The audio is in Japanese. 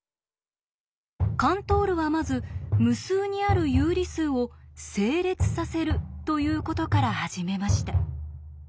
カントールはまず無数にある有理数を「整列させる」ということから始めました。